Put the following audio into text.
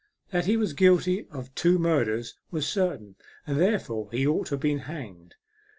That he was guilty of two murders was certain, and therefore he ought to have been hanged.